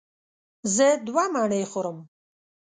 زه دوه مڼې خورم.